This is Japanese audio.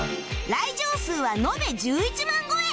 来場数は延べ１１万超え